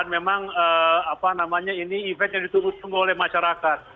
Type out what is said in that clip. memang apa namanya ini event yang ditutupi oleh masyarakat